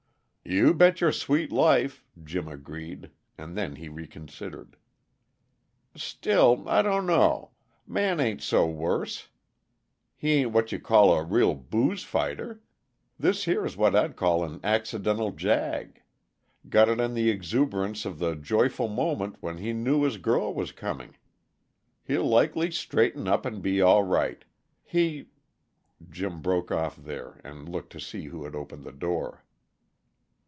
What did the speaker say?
"You bet your sweet life!" Jim agreed, and then he reconsidered. "Still, I dunno; Man ain't so worse. He ain't what you can call a real booze fighter. This here's what I'd call an accidental jag; got it in the exuberance of the joyful moment when he knew his girl was coming. He'll likely straighten up and be all right. He " Jim broke off there and looked to see who had opened the door.